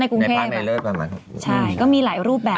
ในประเทศในเลิศประมาณ๖หมื่น